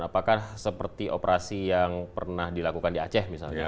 apakah seperti operasi yang pernah dilakukan di aceh misalnya